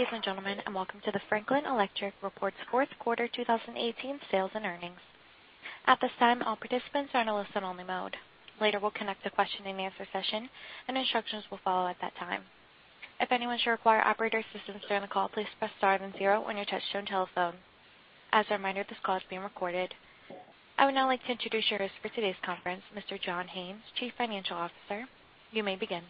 Ladies and gentlemen, welcome to the Franklin Electric's fourth quarter 2018 sales and earnings. At this time, all participants are in a listen-only mode. Later, we'll conduct a question-and-answer session, and instructions will follow at that time. If anyone should require operator assistance during the call, please press star then zero on your touchtone telephone. As a reminder, this call is being recorded. I would now like to introduce you to for today's conference, Mr. John Haines, Chief Financial Officer. You may begin.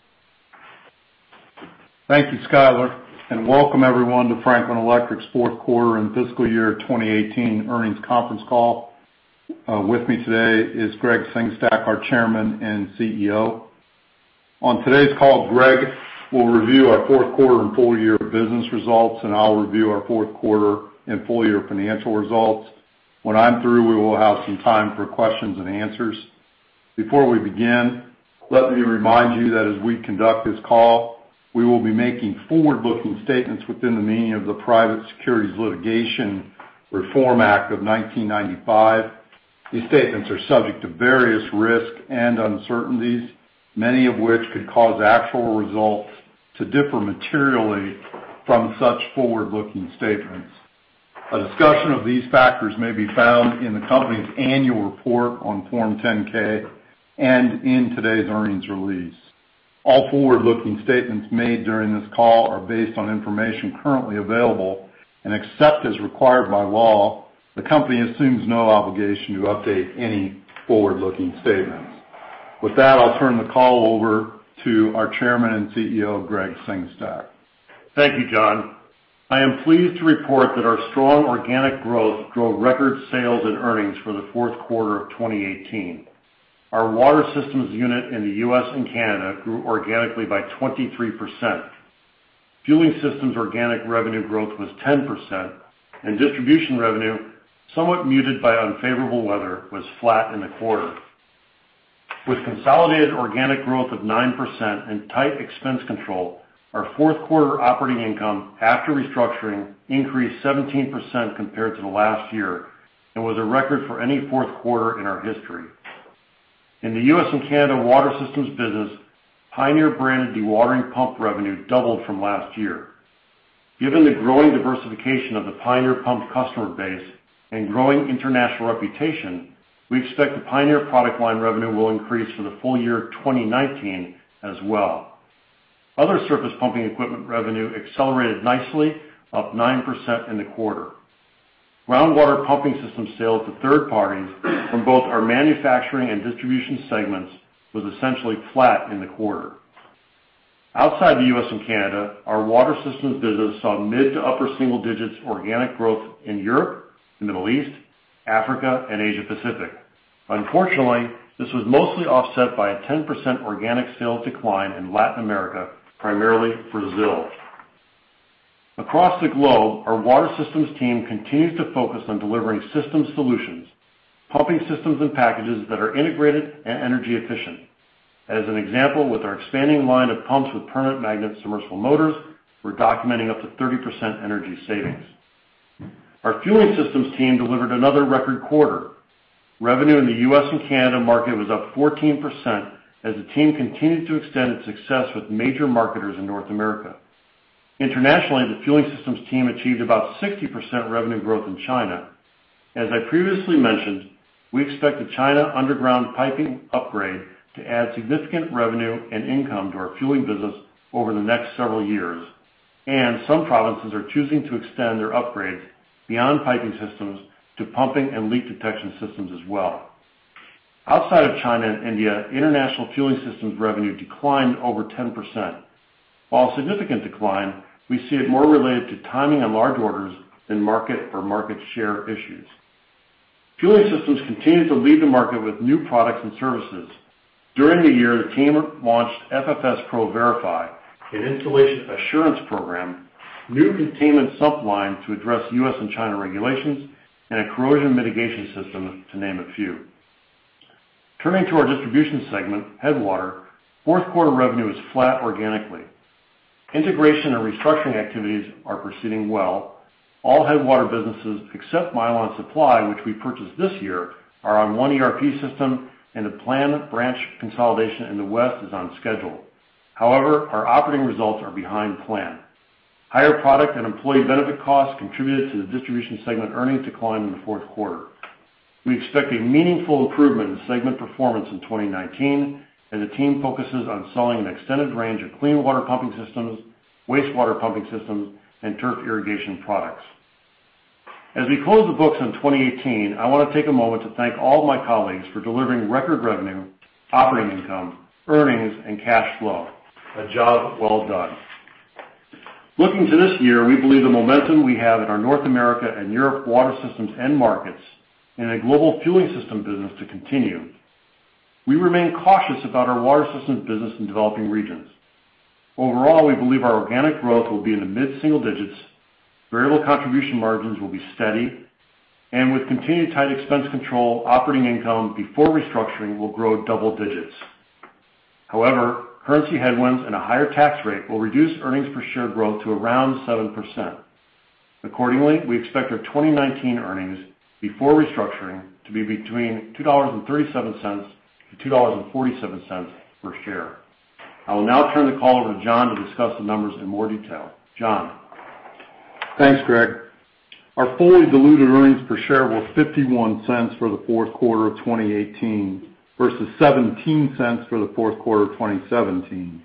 Thank you, Skyler, and welcome everyone to Franklin Electric's fourth quarter and fiscal year 2018 earnings conference call. With me today is Gregg Sengstack, our Chairman and CEO. On today's call, Gregg will review our fourth quarter and full year business results, and I'll review our fourth quarter and full year financial results. When I'm through, we will have some time for questions and answers. Before we begin, let me remind you that as we conduct this call, we will be making forward-looking statements within the meaning of the Private Securities Litigation Reform Act of 1995. These statements are subject to various risks and uncertainties, many of which could cause actual results to differ materially from such forward-looking statements. A discussion of these factors may be found in the company's annual report on Form 10-K and in today's earnings release. All forward-looking statements made during this call are based on information currently available, and except as required by law, the company assumes no obligation to update any forward-looking statements. With that, I'll turn the call over to our Chairman and CEO, Gregg Sengstack. Thank you, John. I am pleased to report that our strong organic growth drove record sales and earnings for the fourth quarter of 2018. Our Water Systems unit in the U.S. and Canada grew organically by 23%. Fueling Systems organic revenue growth was 10%, and Distribution revenue, somewhat muted by unfavorable weather, was flat in the quarter. With consolidated organic growth of 9% and tight expense control, our fourth quarter operating income after restructuring increased 17% compared to last year and was a record for any fourth quarter in our history. In the U.S. and Canada Water Systems business, Pioneer branded dewatering pump revenue doubled from last year. Given the growing diversification of the Pioneer Pump customer base and growing international reputation, we expect the Pioneer product line revenue will increase for the full year of 2019 as well. Other surface pumping equipment revenue accelerated nicely, up 9% in the quarter. Groundwater pumping system sales to third parties from both our manufacturing and Distribution segments was essentially flat in the quarter. Outside the U.S. and Canada, our Water Systems business saw mid to upper single digits organic growth in Europe, the Middle East, Africa, and Asia Pacific. Unfortunately, this was mostly offset by a 10% organic sales decline in Latin America, primarily Brazil. Across the globe, our Water Systems team continues to focus on delivering system solutions, pumping systems and packages that are integrated and energy efficient. As an example, with our expanding line of pumps with permanent magnet submersible motors, we're documenting up to 30% energy savings. Our Fueling Systems team delivered another record quarter. Revenue in the U.S. and Canada market was up 14% as the team continued to extend its success with major marketers in North America. Internationally, the Fueling Systems team achieved about 60% revenue growth in China. As I previously mentioned, we expect the China underground piping upgrade to add significant revenue and income to our fueling business over the next several years, and some provinces are choosing to extend their upgrades beyond piping systems to pumping and leak detection systems as well. Outside of China and India, international Fueling Systems revenue declined over 10%. While a significant decline, we see it more related to timing on large orders than market or market share issues. Fueling Systems continue to lead the market with new products and services. During the year, the team launched FFS Pro Verify, an installation assurance program, new containment sump line to address U.S. and China regulations, and a corrosion mitigation system, to name a few. Turning to our Distribution segment, Headwater, fourth quarter revenue is flat organically. Integration and restructuring activities are proceeding well. All Headwater businesses, except Milan Supply, which we purchased this year, are on one ERP system, and the planned branch consolidation in the West is on schedule. However, our operating results are behind plan. Higher product and employee benefit costs contributed to the Distribution segment earnings decline in the fourth quarter. We expect a meaningful improvement in segment performance in 2019 as the team focuses on selling an extended range of clean water pumping systems, wastewater pumping systems, and turf irrigation products. As we close the books on 2018, I want to take a moment to thank all my colleagues for delivering record revenue, operating income, earnings, and cash flow. A job well done. Looking to this year, we believe the momentum we have in our North America and Europe Water Systems end markets and a global Fueling Systems business to continue. We remain cautious about our Water Systems business in developing regions. Overall, we believe our organic growth will be in the mid-single digits, variable contribution margins will be steady, and with continued tight expense control, operating income before restructuring will grow double digits. However, currency headwinds and a higher tax rate will reduce earnings per share growth to around 7%. Accordingly, we expect our 2019 earnings before restructuring to be between $2.37-$2.47 per share. I will now turn the call over to John to discuss the numbers in more detail. John? Thanks, Gregg. Our fully diluted earnings per share were $0.51 for the fourth quarter of 2018, versus $0.17 for the fourth quarter of 2017.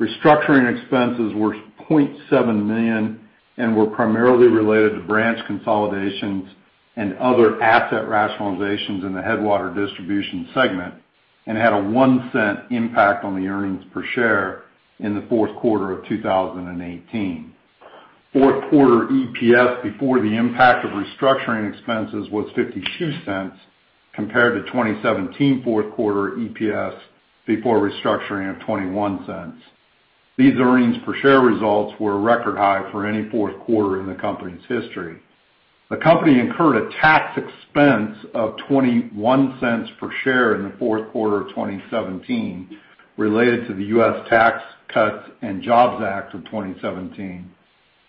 Restructuring expenses were $0.7 million and were primarily related to branch consolidations and other asset rationalizations in the Headwater Distribution segment, and had a $0.01 impact on the earnings per share in the fourth quarter of 2018. Fourth quarter EPS before the impact of restructuring expenses was $0.52 compared to 2017 fourth quarter EPS before restructuring of $0.21. These earnings per share results were a record high for any fourth quarter in the company's history. The company incurred a tax expense of $0.21 per share in the fourth quarter of 2017, related to the U.S. Tax Cuts and Jobs Act of 2017.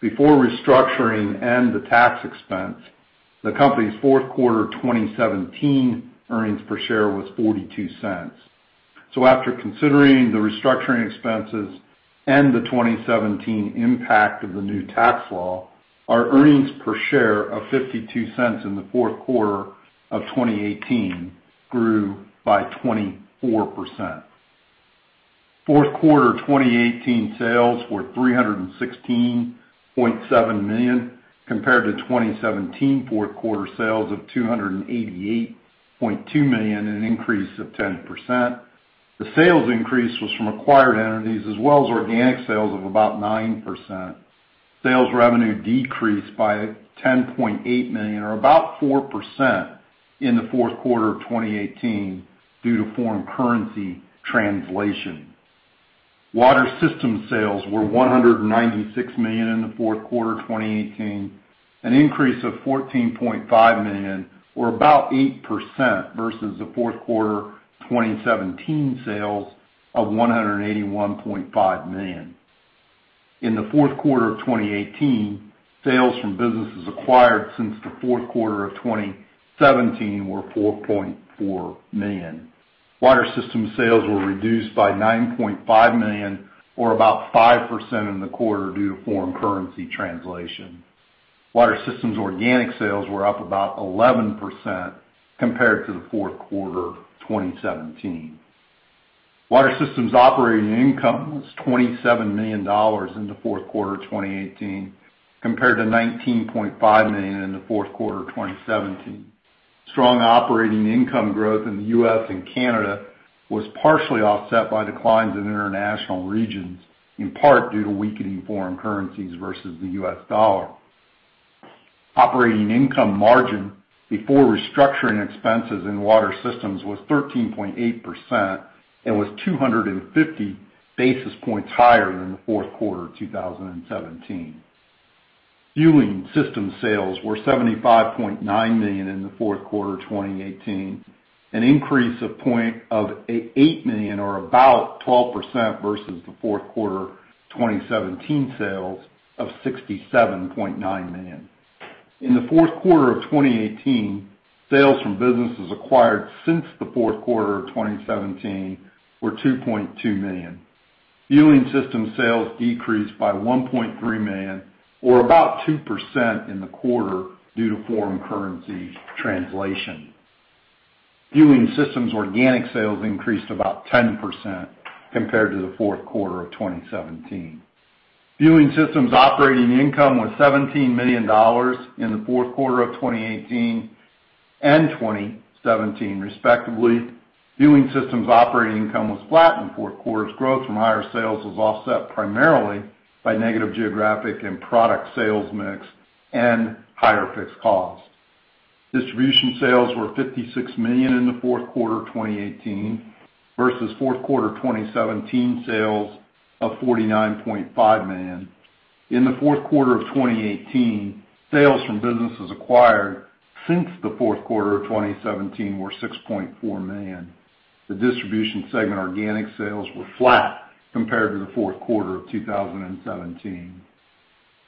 Before restructuring and the tax expense, the company's fourth quarter 2017 earnings per share was $0.42. So after considering the restructuring expenses and the 2017 impact of the new tax law, our earnings per share of $0.52 in the fourth quarter of 2018 grew by 24%. Fourth quarter 2018 sales were $316.7 million, compared to 2017 fourth quarter sales of $288.2 million, an increase of 10%. The sales increase was from acquired entities as well as organic sales of about 9%. Sales revenue decreased by $10.8 million, or about 4%, in the fourth quarter of 2018 due to foreign currency translation. Water Systems sales were $196 million in the fourth quarter of 2018, an increase of $14.5 million, or about 8%, versus the fourth quarter of 2017 sales of $181.5 million. In the fourth quarter of 2018, sales from businesses acquired since the fourth quarter of 2017 were $4.4 million. Water Systems sales were reduced by $9.5 million, or about 5% in the quarter, due to foreign currency translation. Water Systems organic sales were up about 11% compared to the fourth quarter of 2017. Water Systems operating income was $27 million in the fourth quarter of 2018, compared to $19.5 million in the fourth quarter of 2017. Strong operating income growth in the U.S. and Canada was partially offset by declines in international regions, in part due to weakening foreign currencies versus the U.S. dollar. Operating income margin before restructuring expenses in Water Systems was 13.8% and was 250 basis points higher than the fourth quarter of 2017. Fueling systems sales were $75.9 million in the fourth quarter of 2018, an increase of $8 million, or about 12%, versus the fourth quarter of 2017 sales of $67.9 million. In the fourth quarter of 2018, sales from businesses acquired since the fourth quarter of 2017 were $2.2 million. Fueling Systems sales decreased by $1.3 million, or about 2% in the quarter, due to foreign currency translation. Fueling Systems organic sales increased about 10% compared to the fourth quarter of 2017. Fueling Systems operating income was $17 million in the fourth quarter of 2018 and 2017, respectively. Fueling Systems operating income was flat in the fourth quarter, as growth from higher sales was offset primarily by negative geographic and product sales mix and higher fixed costs. Distribution sales were $56 million in the fourth quarter of 2018 versus fourth quarter of 2017 sales of $49.5 million. In the fourth quarter of 2018, sales from businesses acquired since the fourth quarter of 2017 were $6.4 million. The Distribution segment organic sales were flat compared to the fourth quarter of 2017.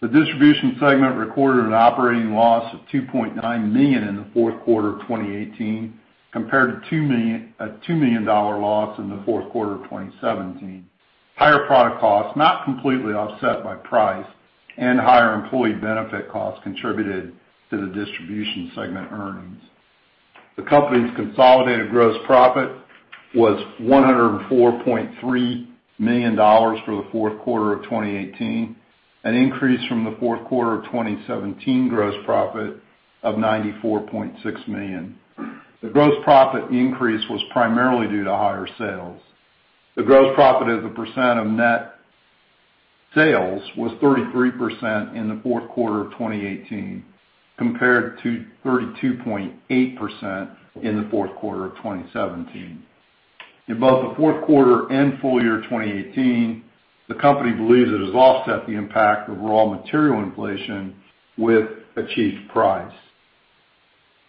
The Distribution segment recorded an operating loss of $2.9 million in the fourth quarter of 2018, compared to a $2 million loss in the fourth quarter of 2017. Higher product costs, not completely offset by price and higher employee benefit costs, contributed to the Distribution segment earnings. The company's consolidated gross profit was $104.3 million for the fourth quarter of 2018, an increase from the fourth quarter of 2017 gross profit of $94.6 million. The gross profit as a percent of net sales was 33% in the fourth quarter of 2018, compared to 32.8% in the fourth quarter of 2017. In both the fourth quarter and full year of 2018, the company believes it has offset the impact of raw material inflation with achieved price.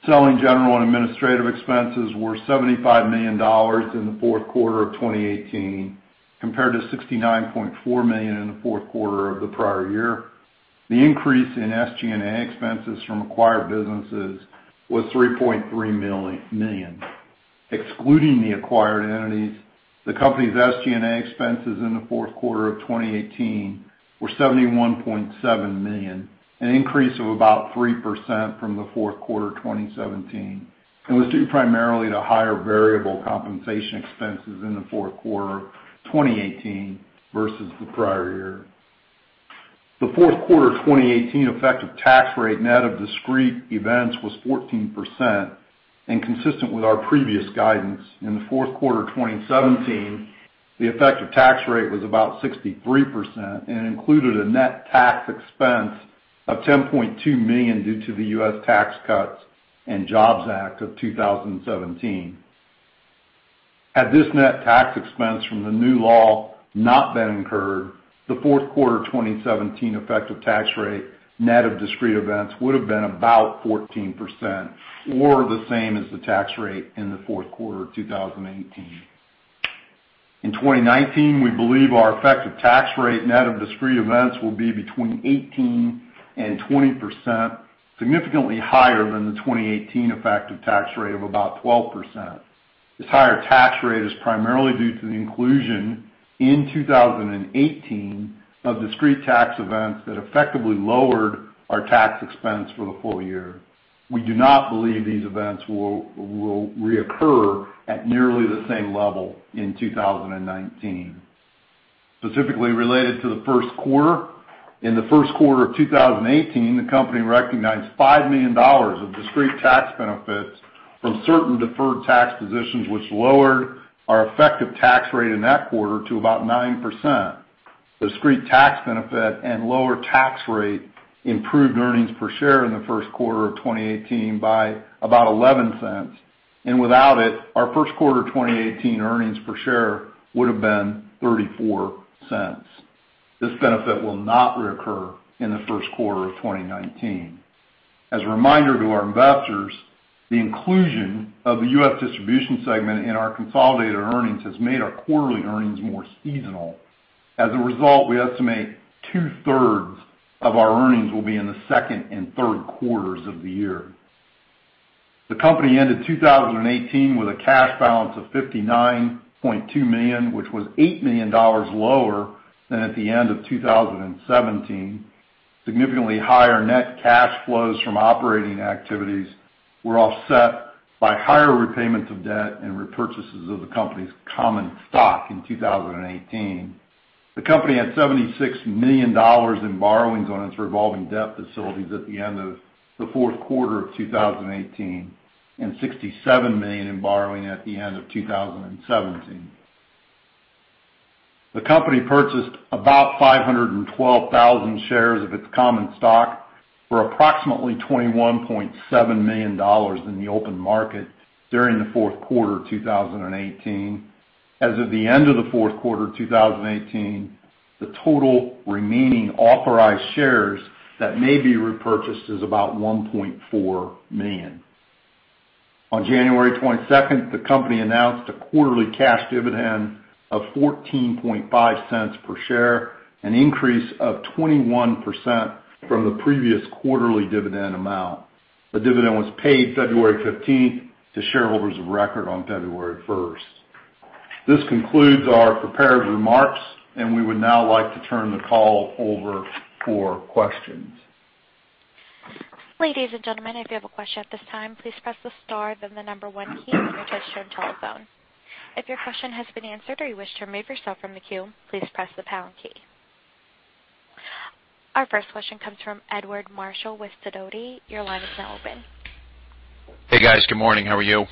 Selling, general and administrative expenses were $75 million in the fourth quarter of 2018, compared to $69.4 million in the fourth quarter of the prior year. The increase in SG&A expenses from acquired businesses was $3.3 million. Excluding the acquired entities, the company's SG&A expenses in the fourth quarter of 2018 were $71.7 million, an increase of about 3% from the fourth quarter of 2017, and was due primarily to higher variable compensation expenses in the fourth quarter of 2018 versus the prior year. The fourth quarter of 2018 effective tax rate, net of discrete events, was 14%, and consistent with our previous guidance. In the fourth quarter of 2017, the effective tax rate was about 63%, and included a net tax expense of $10.2 million due to the U.S. Tax Cuts and Jobs Act of 2017. Had this net tax expense from the new law not been incurred, the fourth quarter of 2017 effective tax rate, net of discrete events, would have been about 14%, or the same as the tax rate in the fourth quarter of 2018. In 2019, we believe our effective tax rate, net of discrete events, will be between 18% and 20%, significantly higher than the 2018 effective tax rate of about 12%. This higher tax rate is primarily due to the inclusion in 2018 of discrete tax events that effectively lowered our tax expense for the full year. We do not believe these events will reoccur at nearly the same level in 2019. Specifically related to the first quarter, in the first quarter of 2018, the company recognized $5 million of discrete tax benefits from certain deferred tax positions, which lowered our effective tax rate in that quarter to about 9%. Discrete tax benefit and lower tax rate improved earnings per share in the first quarter of 2018 by about $0.11, and without it, our first quarter 2018 earnings per share would have been $0.34. This benefit will not reoccur in the first quarter of 2019. As a reminder to our investors, the inclusion of the U.S. Distribution segment in our consolidated earnings has made our quarterly earnings more seasonal. As a result, we estimate two-thirds of our earnings will be in the second and third quarters of the year. The company ended 2018 with a cash balance of $59.2 million, which was $8 million lower than at the end of 2017. Significantly higher net cash flows from operating activities were offset by higher repayments of debt and repurchases of the company's common stock in 2018. The company had $76 million in borrowings on its revolving debt facilities at the end of the fourth quarter of 2018, and $67 million in borrowing at the end of 2017. The company purchased about 512,000 shares of its common stock for approximately $21.7 million in the open market during the fourth quarter of 2018. As of the end of the fourth quarter of 2018, the total remaining authorized shares that may be repurchased is about 1.4 million. On January 22nd, the company announced a quarterly cash dividend of $0.145 per share, an increase of 21% from the previous quarterly dividend amount. The dividend was paid February 15th to shareholders of record on February 1st. This concludes our prepared remarks, and we would now like to turn the call over for questions. Ladies and gentlemen, if you have a question at this time, please press the star, then the number one key on your touch-tone telephone. If your question has been answered, or you wish to remove yourself from the queue, please press the pound key. Our first question comes from Edward Marshall with Sidoti. Your line is now open. Hey, guys. Good morning. How are you?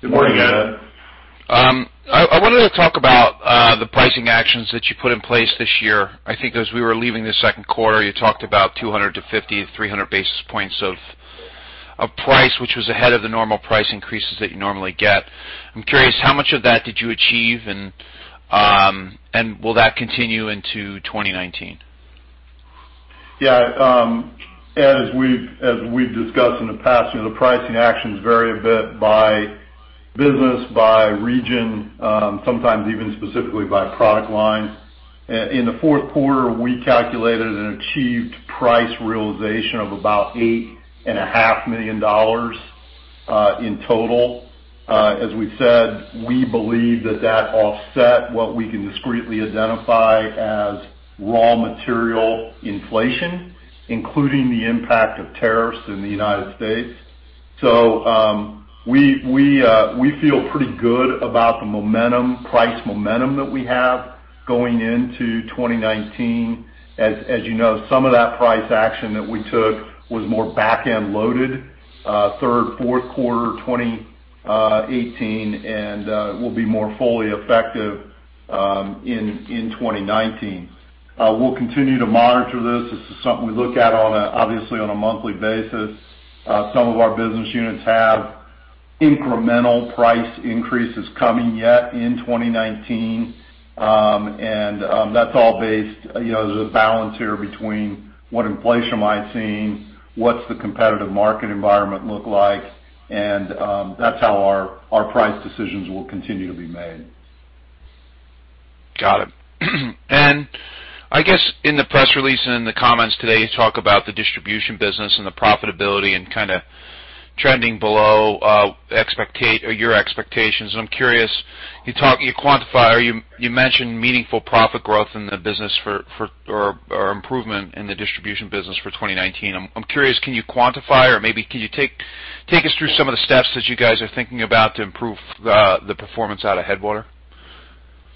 Good morning, Ed. I wanted to talk about the pricing actions that you put in place this year. I think as we were leaving the second quarter, you talked about 250-300 basis points of price, which was ahead of the normal price increases that you normally get. I'm curious, how much of that did you achieve, and will that continue into 2019? Yeah, Ed, as we've discussed in the past, you know, the pricing actions vary a bit by business, by region, sometimes even specifically by product line. In the fourth quarter, we calculated an achieved price realization of about $8.5 million in total. As we've said, we believe that that offset what we can discretely identify as raw material inflation, including the impact of tariffs in the United States. So, we feel pretty good about the momentum, price momentum that we have going into 2019. As you know, some of that price action that we took was more back-end loaded, third, fourth quarter, 2018, and will be more fully effective in 2019. We'll continue to monitor this. This is something we look at on a, obviously, on a monthly basis. Some of our business units have incremental price increases coming yet in 2019. That's all based, you know, there's a balance here between what inflation might seem, what's the competitive market environment look like, and that's how our, our price decisions will continue to be made. Got it. And I guess, in the press release and in the comments today, you talk about the Distribution business and the profitability and kind of trending below or your expectations. I'm curious, you quantify or you mentioned meaningful profit growth in the business for 2019 or improvement in the Distribution business for 2019. I'm curious, can you quantify, or maybe can you take us through some of the steps that you guys are thinking about to improve the performance out of Headwater?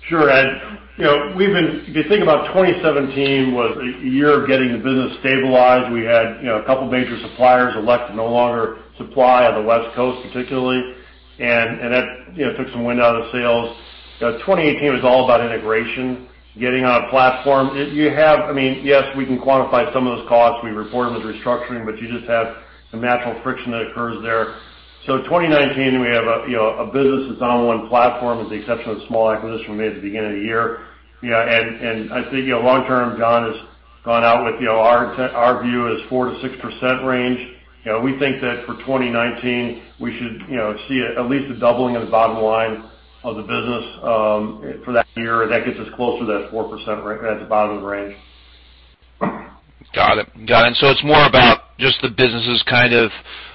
Sure, Ed. You know, we've been-- if you think about 2017 was a year of getting the business stabilized. We had, you know, a couple major suppliers elect to no longer supply on the West Coast, particularly, and that, you know, took some wind out of the sails. 2018 was all about integration, getting on a platform. You have-- I mean, yes, we can quantify some of those costs. We reported the restructuring, but you just have some natural friction that occurs there. So 2019, we have a, you know, a business that's on one platform, with the exception of the small acquisition we made at the beginning of the year. Yeah, and I think, you know, long term, John has gone out with, you know, our view is 4%-6% range. You know, we think that for 2019, we should, you know, see at least a doubling of the bottom line of the business, for that year, and that gets us closer to that 4% range at the bottom of the range. Got it. Got it. So it's more about just the business' kind of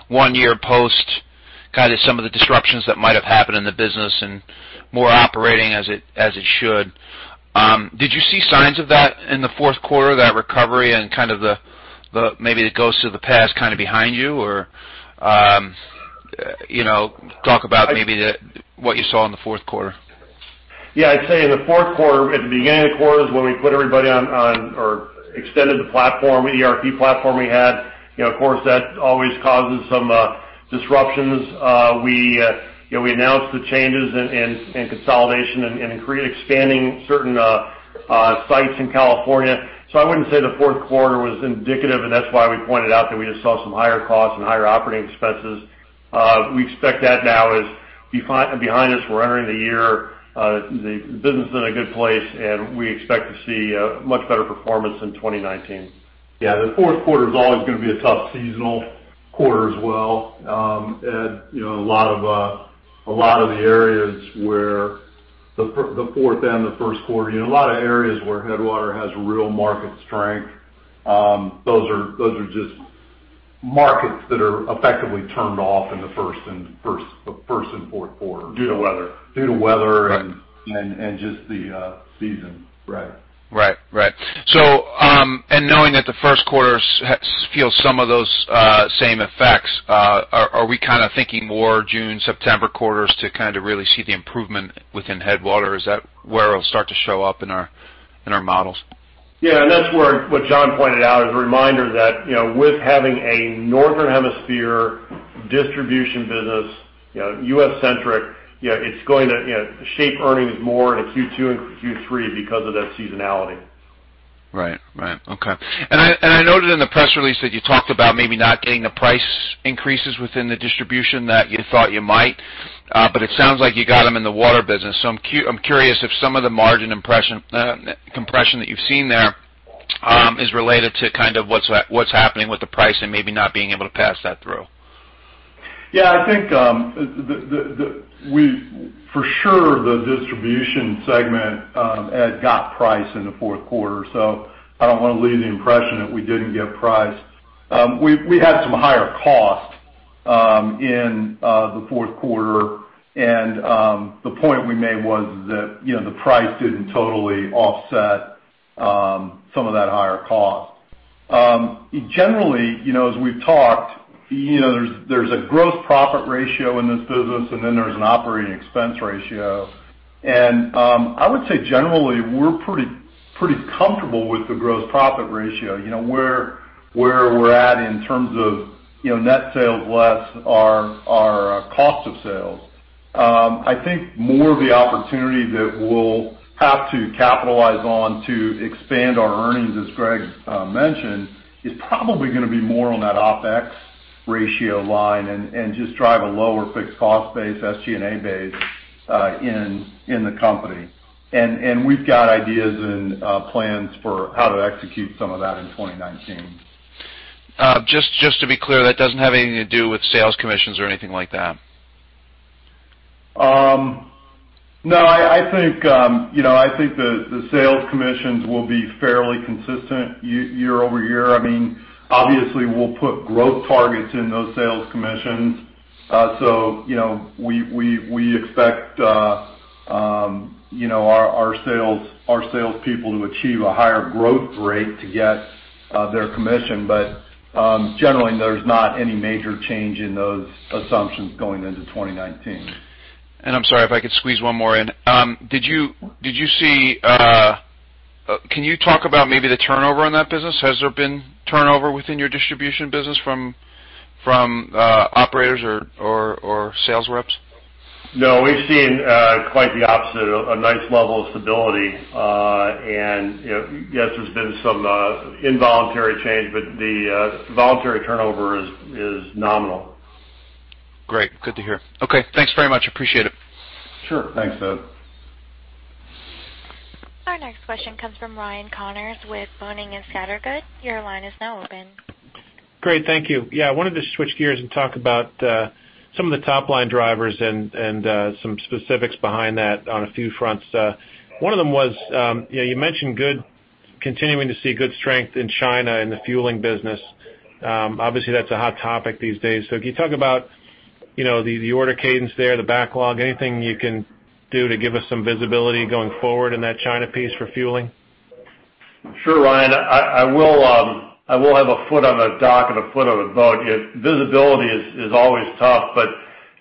one-year post, kind of some of the disruptions that might have happened in the business and more operating as it, as it should. Did you see signs of that in the fourth quarter, that recovery and kind of the, the maybe the ghost of the past kind of behind you, or, you know, talk about maybe the, what you saw in the fourth quarter? Yeah, I'd say in the fourth quarter, at the beginning of the quarter, is when we put everybody on our or extended the platform, ERP platform we had. You know, of course, that always causes some disruptions. You know, we announced the changes in consolidation and increasing, expanding certain sites in California. So I wouldn't say the fourth quarter was indicative, and that's why we pointed out that we just saw some higher costs and higher operating expenses. We expect that now as behind us, we're entering the year, the business is in a good place, and we expect to see a much better performance in 2019. Yeah, the fourth quarter is always gonna be a tough seasonal quarter as well. Ed, you know, a lot of, a lot of the areas where the fourth and the first quarter, you know, a lot of areas where Headwater has real market strength, those are, those are just markets that are effectively turned off in the first and fourth quarter. Due to weather. Due to weather and just the season. Right. Right. Right. So, and knowing that the first quarter feels some of those same effects, are we kind of thinking more June, September quarters to kind of really see the improvement within Headwater? Is that where it'll start to show up in our models? Yeah, and that's where what John pointed out, as a reminder that, you know, with having a northern hemisphere Distribution business, you know, U.S.-centric, you know, it's going to, you know, shape earnings more in a Q2 and Q3 because of that seasonality. Right. Right. Okay. And I noted in the press release that you talked about maybe not getting the price increases within the Distribution that you thought you might, but it sounds like you got them in the water business. So I'm curious if some of the margin compression that you've seen there is related to kind of what's happening with the price and maybe not being able to pass that through. Yeah, I think, we for sure, the Distribution segment, Ed, got price in the fourth quarter, so I don't want to leave the impression that we didn't get price. We had some higher cost in the fourth quarter, and the point we made was that, you know, the price didn't totally offset some of that higher cost. Generally, you know, as we've talked, you know, there's a gross profit ratio in this business, and then there's an operating expense ratio. And I would say generally, we're pretty comfortable with the gross profit ratio, you know, where we're at in terms of, you know, net sales less our cost of sales. I think more of the opportunity that we'll have to capitalize on to expand our earnings, as Gregg mentioned, is probably gonna be more on that OpEx ratio line and just drive a lower fixed cost base, SG&A base, in the company. And we've got ideas and plans for how to execute some of that in 2019. Just, just to be clear, that doesn't have anything to do with sales commissions or anything like that? No, I think you know, I think the sales commissions will be fairly consistent year-over-year. I mean, obviously, we'll put growth targets in those sales commissions. So, you know, we expect you know, our salespeople to achieve a higher growth rate to get their commission. But generally, there's not any major change in those assumptions going into 2019. And I'm sorry if I could squeeze one more in. Did you see? Can you talk about maybe the turnover on that business? Has there been turnover within your Distribution business from operators or sales reps?... No, we've seen quite the opposite, a nice level of stability. And, you know, yes, there's been some involuntary change, but the voluntary turnover is nominal. Great. Good to hear. Okay, thanks very much. Appreciate it. Sure. Thanks, Ed. Our next question comes from Ryan Connors with Boenning & Scattergood. Your line is now open. Great, thank you. Yeah, I wanted to switch gears and talk about, some of the top-line drivers and, some specifics behind that on a few fronts. One of them was, you know, you mentioned good continuing to see good strength in China in the fueling business. Obviously, that's a hot topic these days. So can you talk about, you know, the, the order cadence there, the backlog, anything you can do to give us some visibility going forward in that China piece for fueling? Sure, Ryan. I will have a foot on a dock and a foot on a boat. Yeah, visibility is always tough, but,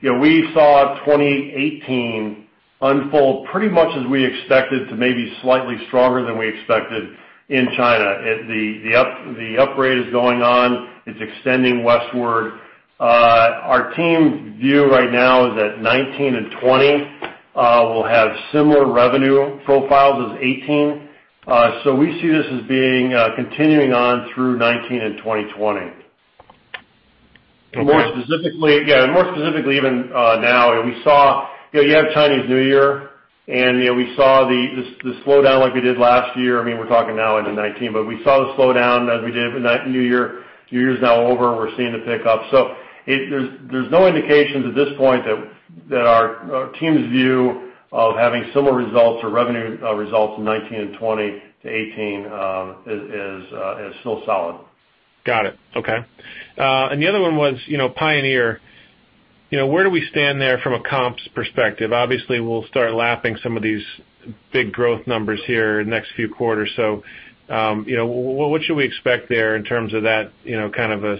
you know, we saw 2018 unfold pretty much as we expected to maybe slightly stronger than we expected in China. It, the upgrade is going on. It's extending westward. Our team's view right now is that 2019 and 2020 will have similar revenue profiles as 2018. So we see this as being continuing on through 2019 and 2020. Okay. More specifically, yeah, more specifically, even now, we saw... You know, you have Chinese New Year, and, you know, we saw the slowdown like we did last year. I mean, we're talking now into 2019, but we saw the slowdown as we did in that New Year. New Year's now over, we're seeing the pickup. So, there's no indications at this point that our team's view of having similar results or revenue results in 2019 and 2020 to 2018 is still solid. Got it. Okay. And the other one was, you know, Pioneer. You know, where do we stand there from a comps perspective? Obviously, we'll start lapping some of these big growth numbers here in the next few quarters. So, you know, what should we expect there in terms of that, you know, kind of a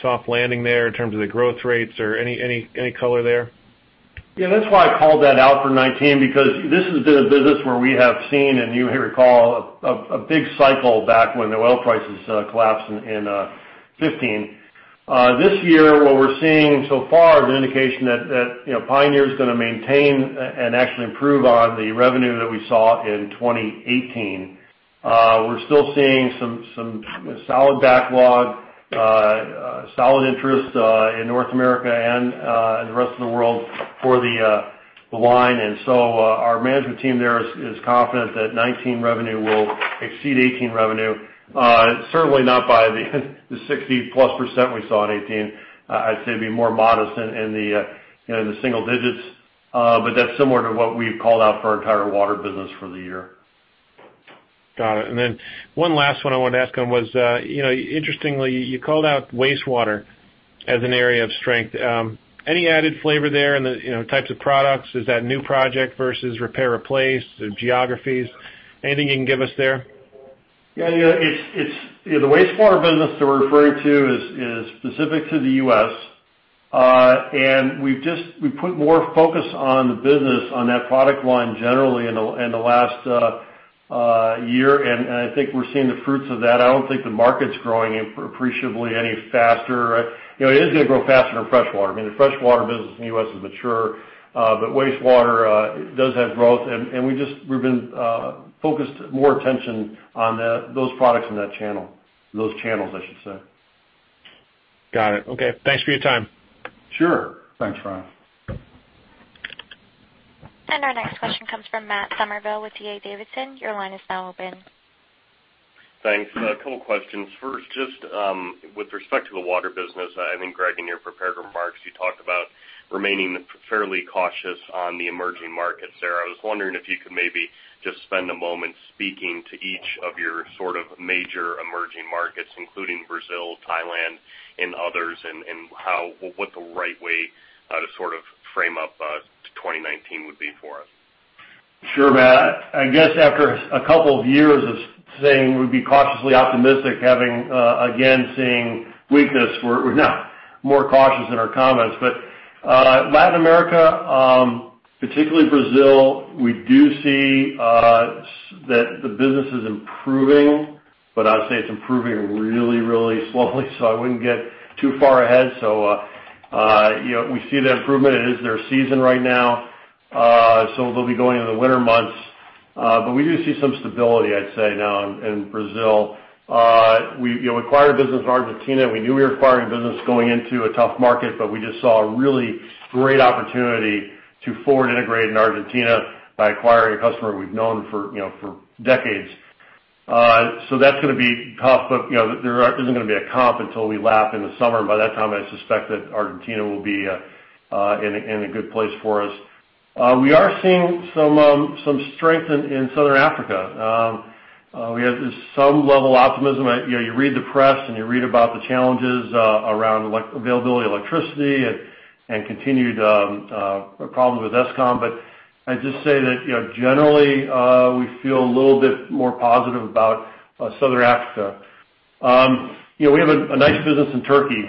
soft landing there in terms of the growth rates or any color there? Yeah, that's why I called that out for 2019, because this has been a business where we have seen, and you may recall, a big cycle back when the oil prices collapsed in 2015. This year, what we're seeing so far is an indication that you know, Pioneer is gonna maintain and actually improve on the revenue that we saw in 2018. We're still seeing some solid backlog, solid interest in North America and the rest of the world for the line. And so, our management team there is confident that 2019 revenue will exceed 2018 revenue. Certainly not by the 60%+ we saw in 2018. I'd say it'd be more modest in the, you know, the single digits, but that's similar to what we've called out for our entire water business for the year. Got it. And then one last one I wanted to ask on was, you know, interestingly, you called out wastewater as an area of strength. Any added flavor there in the, you know, types of products? Is that new project versus repair, replace, the geographies? Anything you can give us there? Yeah, you know, it's the wastewater business that we're referring to is specific to the U.S. And we've put more focus on the business on that product line generally in the last year, and I think we're seeing the fruits of that. I don't think the market's growing appreciably any faster. You know, it is gonna grow faster than freshwater. I mean, the freshwater business in the U.S. is mature, but wastewater does have growth, and we've been focused more attention on those products in those channels, I should say. Got it. Okay. Thanks for your time. Sure. Thanks, Ryan. Our next question comes from Matt Somerville with D.A. Davidson. Your line is now open. Thanks. A couple questions. First, just, with respect to the water business, I think, Greg, in your prepared remarks, you talked about remaining fairly cautious on the emerging markets there. I was wondering if you could maybe just spend a moment speaking to each of your sort of major emerging markets, including Brazil, Thailand, and others, and how—what the right way to sort of frame up to 2019 would be for us. Sure, Matt. I guess after a couple of years of saying we'd be cautiously optimistic, having, again, seeing weakness, we're now more cautious in our comments. But, Latin America, particularly Brazil, we do see that the business is improving, but I'd say it's improving really, really slowly, so I wouldn't get too far ahead. So, you know, we see the improvement. It is their season right now, so they'll be going into the winter months. But we do see some stability, I'd say, now in Brazil. We, you know, acquired business in Argentina. We knew we were acquiring business going into a tough market, but we just saw a really great opportunity to forward integrate in Argentina by acquiring a customer we've known for, you know, for decades. So that's gonna be tough, but, you know, there isn't gonna be a comp until we lap in the summer. By that time, I suspect that Argentina will be in a good place for us. We are seeing some strength in Southern Africa. We have some level of optimism. You know, you read the press, and you read about the challenges around availability of electricity and continued problems with Eskom. But I'd just say that, you know, generally, we feel a little bit more positive about Southern Africa. You know, we have a nice business in Turkey.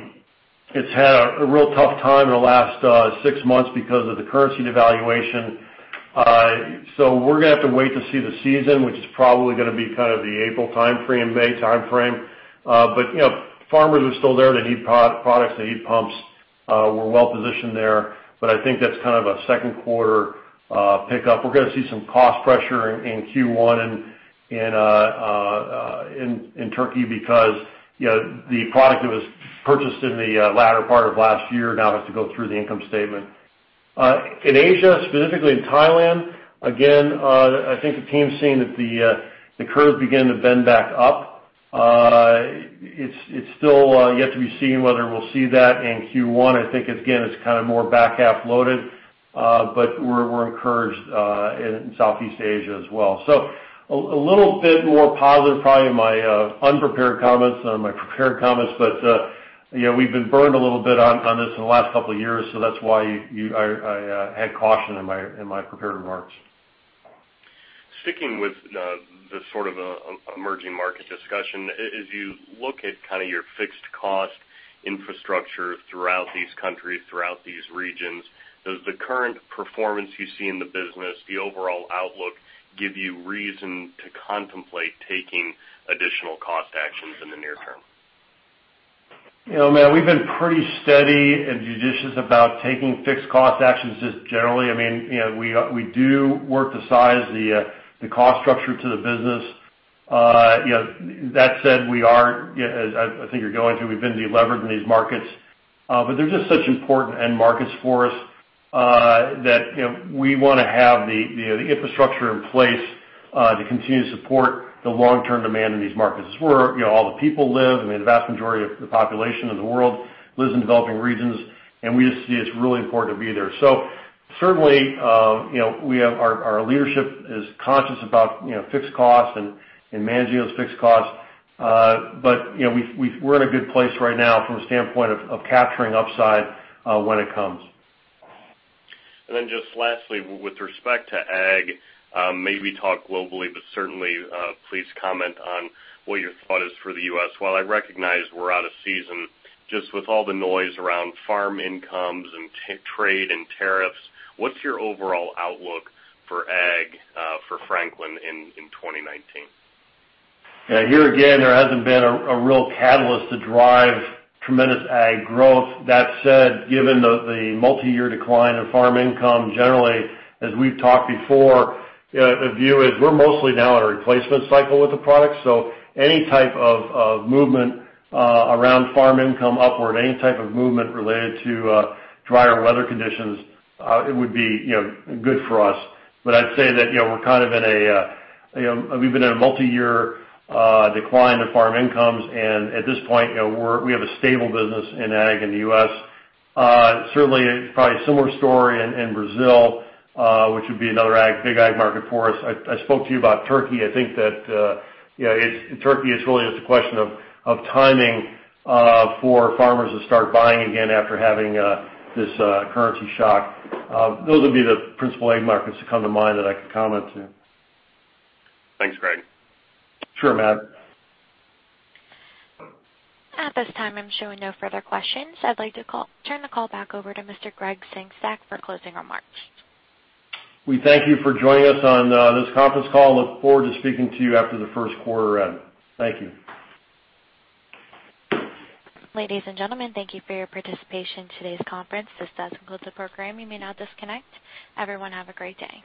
It's had a real tough time in the last six months because of the currency devaluation. So we're gonna have to wait to see the season, which is probably gonna be kind of the April time frame, May time frame. But, you know, farmers are still there. They need products, they need pumps. We're well positioned there, but I think that's kind of a second quarter pickup. We're gonna see some cost pressure in Q1 in Turkey because, you know, the product that was purchased in the latter part of last year now has to go through the income statement. In Asia, specifically in Thailand, again, I think the team's seeing that the curve begin to bend back up. It's still yet to be seen whether we'll see that in Q1. I think, again, it's kind of more back-half loaded, but we're, we're encouraged in Southeast Asia as well. So a little bit more positive, probably in my unprepared comments than in my prepared comments, but, you know, we've been burned a little bit on, on this in the last couple of years, so that's why I had caution in my prepared remarks. Sticking with the sort of emerging market discussion, as you look at kind of your fixed cost infrastructure throughout these countries, throughout these regions, does the current performance you see in the business, the overall outlook, give you reason to contemplate taking additional cost actions in the near term? You know, Matt, we've been pretty steady and judicious about taking fixed cost actions just generally. I mean, you know, we do work to size the cost structure to the business. You know, that said, we are, yeah, as I think you're going through, we've been delevered in these markets, but they're just such important end markets for us, that you know, we wanna have the infrastructure in place to continue to support the long-term demand in these markets. It's where, you know, all the people live. I mean, the vast majority of the population of the world lives in developing regions, and we just see it's really important to be there. So certainly, you know, we have our leadership is conscious about, you know, fixed costs and managing those fixed costs. You know, we're in a good place right now from a standpoint of capturing upside when it comes. And then just lastly, with respect to ag, maybe talk globally, but certainly, please comment on what your thought is for the U.S. While I recognize we're out of season, just with all the noise around farm incomes and trade and tariffs, what's your overall outlook for ag, for Franklin in 2019? Yeah. Here again, there hasn't been a real catalyst to drive tremendous ag growth. That said, given the multiyear decline in farm income, generally, as we've talked before, the view is we're mostly now in a replacement cycle with the product. So any type of movement around farm income upward, any type of movement related to drier weather conditions, it would be, you know, good for us. But I'd say that, you know, we're kind of in a, you know, we've been in a multiyear decline of farm incomes, and at this point, you know, we have a stable business in ag in the U.S. Certainly, probably a similar story in Brazil, which would be another ag big ag market for us. I spoke to you about Turkey. I think that, you know, it's Turkey, it's really just a question of timing for farmers to start buying again after having this currency shock. Those would be the principal ag markets that come to mind that I can comment to. Thanks, Greg. Sure, Matt. At this time, I'm showing no further questions. I'd like to turn the call back over to Mr. Gregg Sengstack for closing remarks. We thank you for joining us on this conference call, and look forward to speaking to you after the first quarter end. Thank you. Ladies and gentlemen, thank you for your participation in today's conference. This does conclude the program. You may now disconnect. Everyone, have a great day.